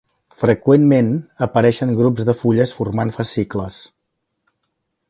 Freqüentment apareixen grups de fulles formant fascicles.